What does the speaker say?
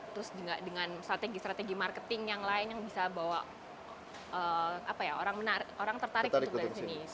terus dengan strategi strategi marketing yang lain yang bisa bawa orang tertarik ke sini